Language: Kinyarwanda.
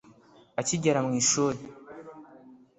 Akigera mu ishuri